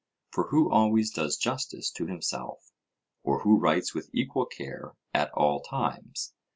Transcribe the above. For who always does justice to himself, or who writes with equal care at all times?